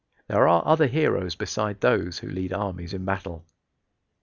There are other heroes beside those who lead armies in battle.